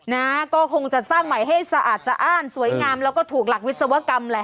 นะก็คงจะสร้างใหม่ให้สะอาดสะอ้านสวยงามแล้วก็ถูกหลักวิศวกรรมแหละ